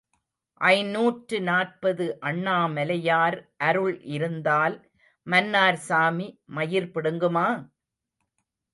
ஐநூற்று நாற்பது அண்ணாமலையார் அருள் இருந்தால் மன்னார் சாமி மயிர் பிடுங்குமா?